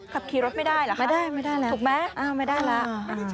ขับขี่รถไม่ได้หรือคะถูกไหมไม่ได้แล้ว